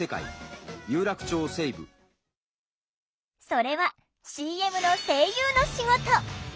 それはＣＭの声優の仕事。